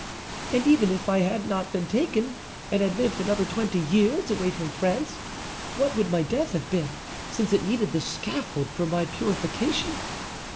And even if I had not been taken, and had lived another twenty years away from France, what would my death have been, since it needed the scaffold for my purification?